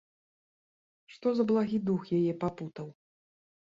Што за благі дух яе папутаў?